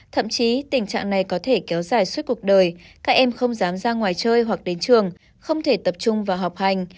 thậm chí tình trạng này có thể kéo dài suốt cuộc đời các em không dám ra ngoài chơi hoặc đến trường không thể tập trung vào học hành